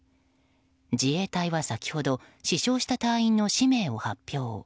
自衛隊は先ほど死傷した隊員の氏名を発表。